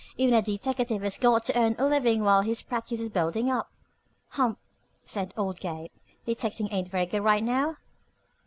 Even a deteckative has got to earn a living while his practice is building up." "Humph!" said old Gabe. "Detecting ain't very good right now?"